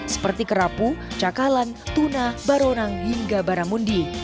seperti kerapu cakalang tuna baronang hingga baramundi